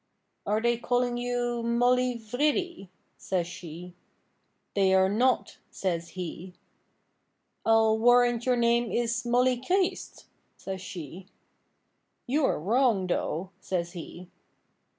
'Are they calling you Mollyvridey?' says she. 'They are not,' says he. 'I'll warrant your name is Mollychreest?' says she. 'You are wrong, though,' says he.